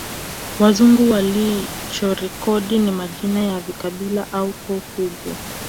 Wazungu walichorekodi ni majina ya vikabila au koo kubwa